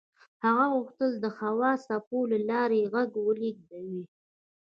هغه غوښتل د هوا د څپو له لارې غږ ولېږدوي.